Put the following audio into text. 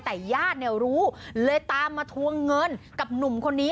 แต่ญาติเนี่ยรู้เลยตามมาทวงเงินกับหนุ่มคนนี้